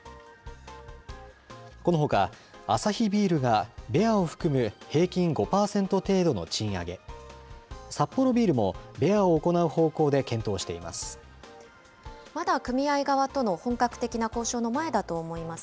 このほかアサヒビールが、ベアを含む平均５％程度の賃上げ、サッポロビールも、ベアを行う方向で検討しています。